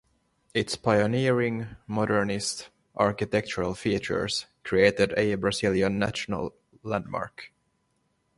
Its pioneering, modernist, architectural features created a Brazilian national landmark.